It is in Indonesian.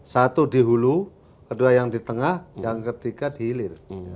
satu di hulu kedua yang di tengah yang ketiga di hilir